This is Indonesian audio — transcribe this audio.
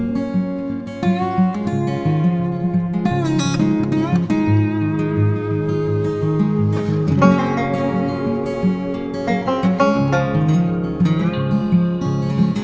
nikki p notebooknya udah t